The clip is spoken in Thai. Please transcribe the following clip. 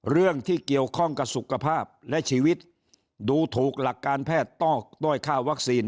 เรื่องที่เกี่ยวข้องกับสุขภาพและชีวิตดูถูกหลักการแพทย์ด้วยค่าวัคซีน